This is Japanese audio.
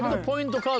ポイント